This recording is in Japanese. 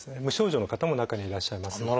無症状の方も中にはいらっしゃいます。